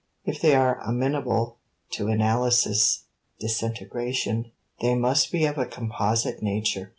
If they are amenable to analysis disintegration they must be of a composite nature.